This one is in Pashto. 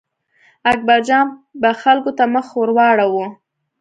اکبرجان به خلکو ته مخ ور واړاوه.